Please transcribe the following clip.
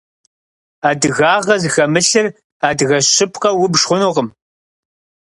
Адыгагъэ зыхэмылъыр адыгэ щыпкъэу убж хъунукъым.